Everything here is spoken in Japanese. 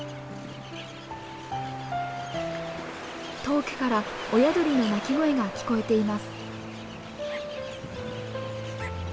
遠くから親鳥の鳴き声が聞こえています。